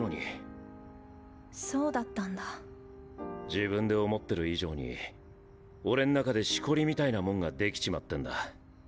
自分で思ってる以上に俺ん中でしこりみたいなもんが出来ちまってんだ。